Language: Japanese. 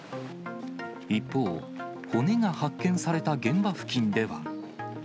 一方、骨が発見された現場付近では。